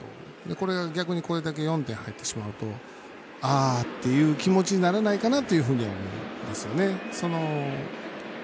これが、逆に４点入ってしまうとあーっていう気持ちにならないかなというふうには思うんですよね。